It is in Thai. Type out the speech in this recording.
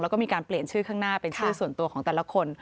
แล้วก็มีการเปลี่ยนชื่อข้างหน้าเป็นชื่อส่วนตัวของแต่ละคน